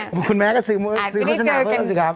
คุณแม่ก็ซื้อโฆษณาเพิ่มสิครับ